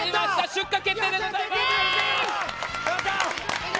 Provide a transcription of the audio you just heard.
出荷決定でございます！